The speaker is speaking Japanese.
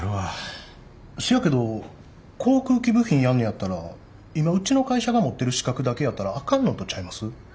せやけど航空機部品やんねやったら今うちの会社が持ってる資格だけやったらあかんのとちゃいます？